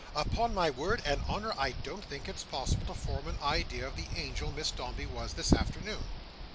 Upon my word and honour, I don't think it's possible to form an idea of the angel Miss Dombey was this afternoon."